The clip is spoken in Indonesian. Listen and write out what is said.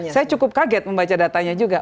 saya cukup kaget membaca datanya juga